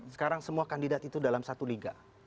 sekarang semua kandidat itu dalam satu liga